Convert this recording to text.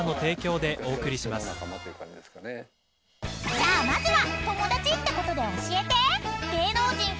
［じゃあまずは］